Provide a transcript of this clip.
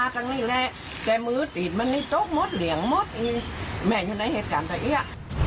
แต่มือติดมันนี่โจ๊กหมดเหลียงหมดแม่อยู่ในเหตุการณ์ตัวเอง